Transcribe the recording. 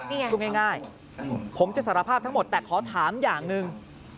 นี่ไงพูดง่ายผมจะสารภาพทั้งหมดแต่ขอถามอย่างหนึ่ง